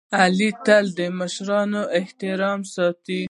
علي تل د مشرانو حرمت ساتي.